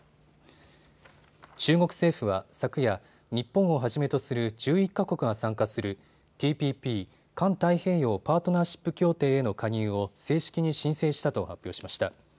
中国政府は昨夜、日本をはじめとする１１か国が参加するＴＰＰ・環太平洋パートナーシップ協定への加入を正式に申請したと発表しました。